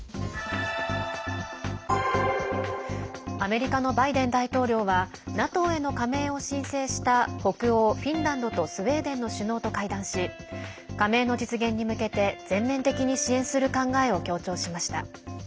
アメリカのバイデン大統領はＮＡＴＯへの加盟を申請した北欧フィンランドとスウェーデンの首脳と会談し加盟の実現に向けて全面的に支援する考えを強調しました。